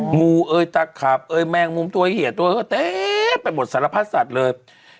อ๋อหมู่เอ้ยตะขับเอ้ยแมงมุมตัวเฮียตัวเต๊ะไปหมดสารพัดสัตว์เลย